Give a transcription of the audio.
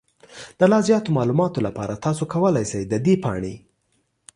د لا زیاتو معلوماتو لپاره، تاسو کولی شئ د دې پاڼې